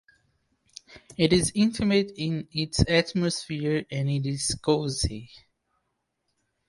It is intimate in its atmosphere and it is cosy.